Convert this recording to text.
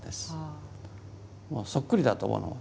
もうそっくりだと思うものを。